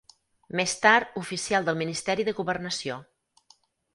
Més tard oficial del Ministeri de Governació.